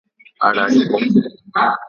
Arareko